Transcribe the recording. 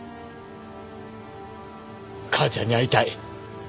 母ちゃんに会いたい。